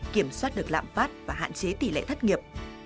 kiểm soát được lạm phát và hạn chế tỷ lệ thất nghiệp